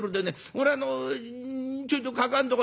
俺あのちょっとかかあんとこ」。